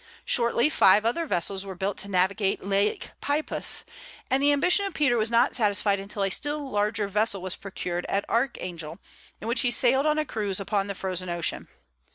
Shortly five other vessels were built to navigate Lake Peipus; and the ambition of Peter was not satisfied until a still larger vessel was procured at Archangel, in which he sailed on a cruise upon the Frozen Ocean.